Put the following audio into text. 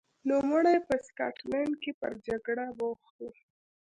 نوموړی په سکاټلند کې پر جګړه بوخت و.